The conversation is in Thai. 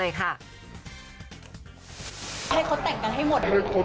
ให้เขาแต่งกันให้หมด